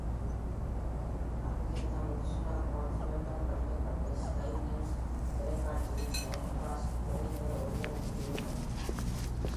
அறிக்கைத்தாள் உருசுலா ஹான்ஸ்ஃபோர்டால் படிக்கப்பட்டு sky news தொலைக்காட்சியில் சைமுல்காஸ்ட் (ஒரே நேர ஒலிபரப்பு) செய்யப்பட்டது.